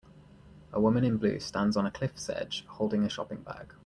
A woman in blue stands on a cliff 's edge holding a shopping bag.